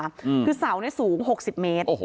คือเสาเนี้ยสูงหกสิบเมตรโอ้โห